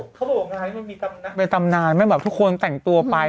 เขาบอกว่างานนี้มันมีตำนานเป็นตำนานแม่งแบบทุกคนแต่งตัวไปอ่ะ